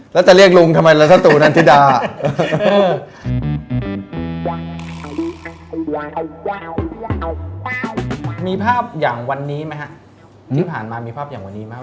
มีภาพอย่างวันนี้ไหมนะที่ผ่านมามีภาพยังวันนี้ไหมครับ